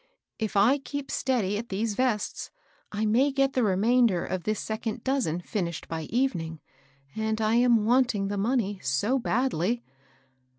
" If I keep steady at these vests, I may get the remainder of this second doas en finished by evening; and I am wanting the money so badly."